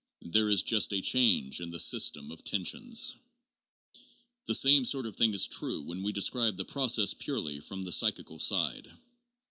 There is just a change in the system of tensions. The same sort of thing is true when we describe the process purely from the psychical side.